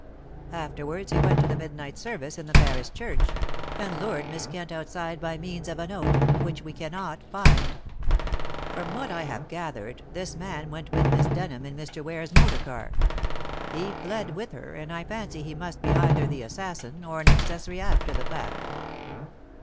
Afterwards he went to the midnight service in the parish church, and lured Miss Kent outside by means of a note, which we cannot find. From what I have gathered this man went with Miss Denham in Mr. Ware's motor car. He fled with her, and I fancy he must be either the assassin or an accessory after the fact."